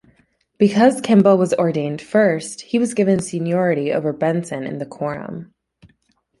Because Kimball was ordained first, he was given seniority over Benson in the Quorum.